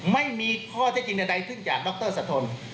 ไม่มีข้อเท็จจริงใดขึ้นจากดรสะทน